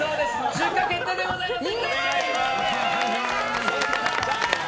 出荷決定でございます！